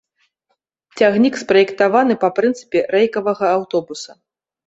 Цягнік спраектаваны па прынцыпе рэйкавага аўтобуса.